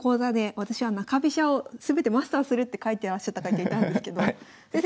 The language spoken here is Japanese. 私は中飛車を全てマスターするって書いてらっしゃった方がいたんですけど先生